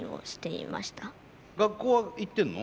学校は行ってんの？